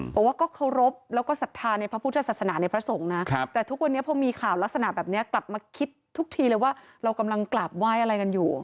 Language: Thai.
บอกว่าก็เคารพแล้วก็ศรัทธาในพระพุทธศาสนาในพระสงฆ์นะแต่ทุกวันนี้พอมีข่าวลักษณะแบบนี้กลับมาคิดทุกทีเลยว่าเรากำลังกราบไหว้อะไรกันอยู่